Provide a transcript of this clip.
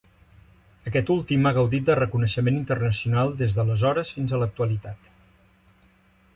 Aquest últim ha gaudit de reconeixement internacional des d'aleshores fins a l'actualitat.